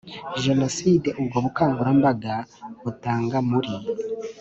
jenoside ubwo bukangurambaga butanga muri